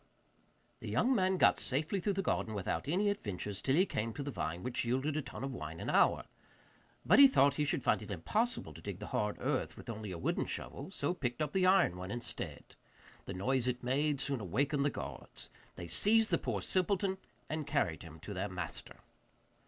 The young man got safely through the garden without any adventures till he came to the vine which yielded a tun of wine an hour. But he thought he should find it impossible to dig the hard earth with only a wooden shovel, so picked up the iron one instead. The noise it made soon awakened the guards. They seized the poor simpleton and carried him to their master.